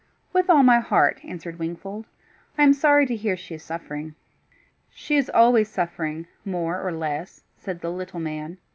"With all my heart," answered Wingfold. "I am sorry to hear she is suffering." "She is always suffering more or less," said the little man.